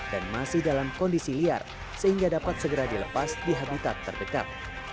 dan masih dalam kondisi liar sehingga dapat segera dilepas di habitat terdekat